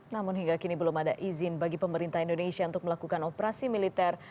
namun hingga kini belum ada izin bagi pemerintah indonesia untuk melakukan operasi militer